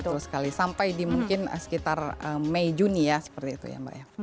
betul sekali sampai di mungkin sekitar mei juni ya seperti itu ya mbak ya